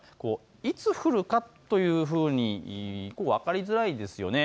いつ降るかという分かりづらいですよね。